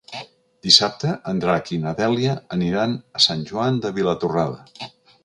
Dissabte en Drac i na Dèlia aniran a Sant Joan de Vilatorrada.